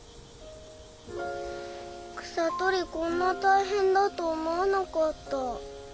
草とりこんなたいへんだと思わなかった。